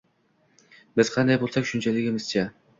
Biz qanday bo‘lsak shundayligimizcha